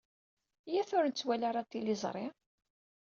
Iyyat ur nettwali ara tiliẓri.